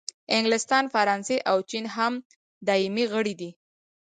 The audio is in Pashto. انګلستان، فرانسې او چین هم دایمي غړي دي.